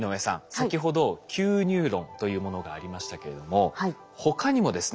先ほどＱニューロンというものがありましたけれども他にもですね